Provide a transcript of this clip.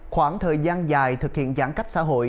khoảng thời gian dài thực hiện giãn cách xã hội